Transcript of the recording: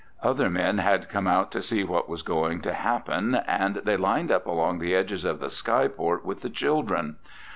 Other men had come out to see what was going to happen and they lined up along the edges of the skyport with the children.